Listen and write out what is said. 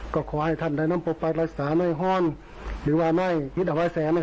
ก็ขอให้ท่านดายน้ำปกปรักษ์รักษาหน้ายฮ่อนหรือว่าหน้ายฮิตอวัยแสน